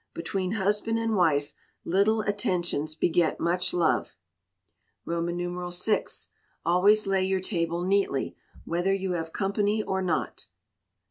Between husband and wife little attentions beget much love. vi. Always lay your table neatly, whether you have company or not.